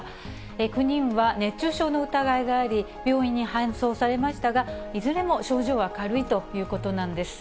９人は熱中症の疑いがあり、病院に搬送されましたが、いずれも症状は軽いということなんです。